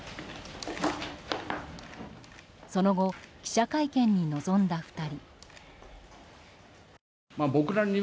その後、記者会見に臨んだ２人。